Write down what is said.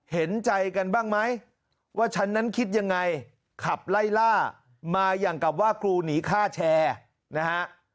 เห็นใจกันบ้างไหมว่าฉันนั้นคิดยังไงขับไล่ล่ามาอย่างกับว่าครูหนีฆ่าแชร์นะฮะ